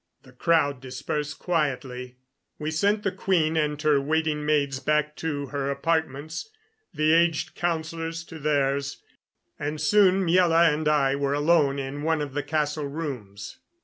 The crowd dispersed quietly. We sent the queen and her waiting maids back to her apartments, the aged councilors to theirs, and soon Miela and I were alone in one of the castle rooms.